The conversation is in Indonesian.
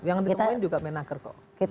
yang ditemuin juga menaker kok